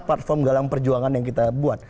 platform galang perjuangan yang kita buat